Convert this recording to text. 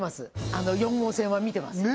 あの４号線は見てます